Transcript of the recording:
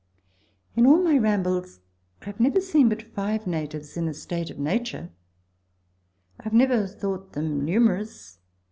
In all my rambles I have never seen but five natives in a state of nature. I have never thought them numerous.